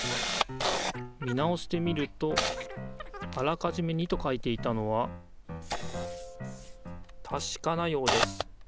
見直してみるとあらかじめ「２」と書いていたのはたしかなようです。